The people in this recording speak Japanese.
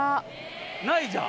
ないじゃん。